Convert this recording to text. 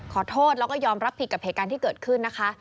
ขอโทษแล้วก็ยอมรับผิดกับเหตุการณ์ที่เกิดขึ้นนะคะ